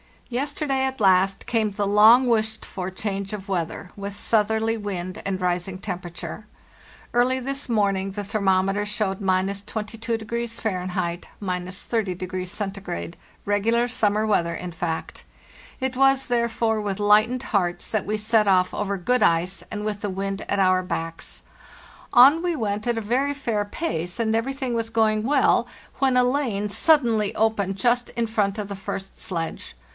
Yesterday, at last, came the long wished for change of weather, with southerly wind and rising temperature. Early this morning the ther mometer showed —22° Fahr. (—30° C.), regular summer weather, in fact. It was, therefore, with lightened hearts that we set off over good ice and with the wind at our backs. On we went at a very fair pace, and everything was going well, when a lane suddenly opened just in front of the first sledge.